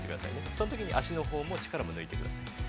そのとき足のほうも力を抜いてください。